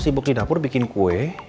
sibuk di dapur bikin kue